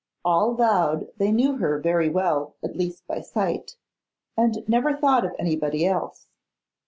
All vowed they knew her very well, at least by sight, and never thought of anybody else.